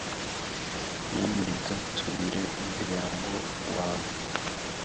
Nyamuneka tubwire umuryango wawe.